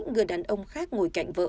người đàn ông khác ngồi cạnh vợ